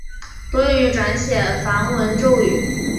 多用于转写梵文咒语。